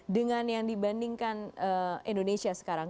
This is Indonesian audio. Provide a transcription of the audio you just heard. dengan yang dibandingkan indonesia sekarang